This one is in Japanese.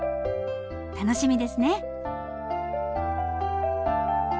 楽しみですね。